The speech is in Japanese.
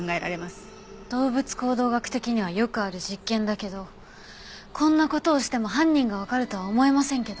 動物行動学的にはよくある実験だけどこんな事をしても犯人がわかるとは思えませんけど。